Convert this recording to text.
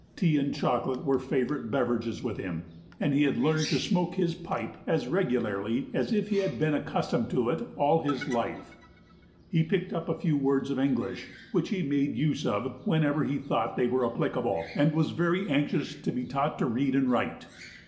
Tea and chocolate were favorite beverages with him, and he had learned to smoke his pipe as regularly as if he had been accustomed to it all his life. He picked up a few words of English, which he made use of whenever he thought they were applicable, and was very anxious to be taught to read and write.